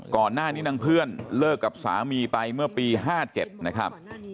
ก่อนหน้านี้นางเพื่อนเลิกกับสามีไปเมื่อปี๕๗นะครับ